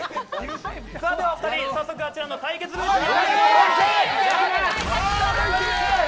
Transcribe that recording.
では、２人早速あちらの対決ルームに。